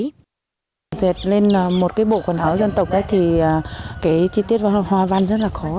dệt lên một bộ quần áo dân tộc thì chi tiết và hoa văn rất là khó